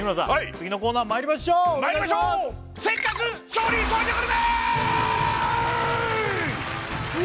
次のコーナーまいりましょうお願いします